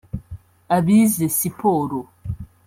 abize siporo